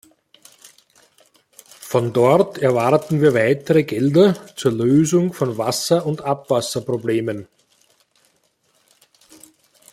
Von dort erwarten wir weitere Gelder zur Lösung von Wasser- und Abwasserproblemen.